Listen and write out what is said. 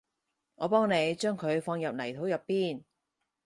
我幫你將佢放入泥土入邊